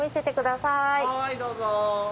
はいどうぞ。